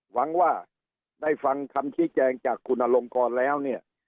หวังว่าได้ฟังคำชี้แจงจากคุณอลงกรแล้วเนี่ย